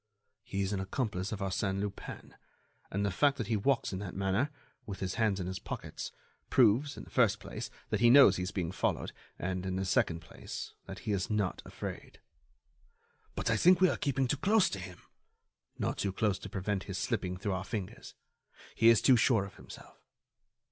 "He is an accomplice of Arsène Lupin, and the fact that he walks in that manner, with his hands in his pockets, proves, in the first place, that he knows he is being followed and, in the second place, that he is not afraid." "But I think we are keeping too close to him." "Not too close to prevent his slipping through our fingers. He is too sure of himself."